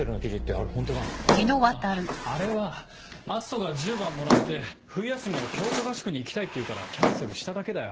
あぁあれは篤斗が１０番もらって冬休みの強化合宿に行きたいっていうからキャンセルしただけだよ。